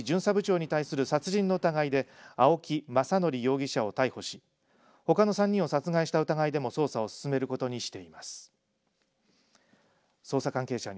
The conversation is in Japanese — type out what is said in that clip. この事件で、警察は池内巡査部長に対する殺人の疑いで青木政憲容疑者を逮捕しほかの３人を殺害した疑いでも捜査を進めることにしています。